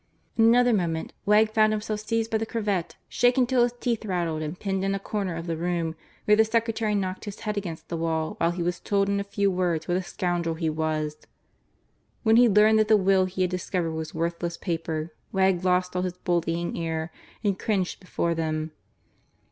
In another moment Wegg found himself seized by the cravat, shaken till his teeth rattled, and pinned in a corner of the room, where the secretary knocked his head against the wall while he told him in a few words what a scoundrel he was. When he learned that the will he had discovered was worthless paper, Wegg lost all his bullying air and cringed before them.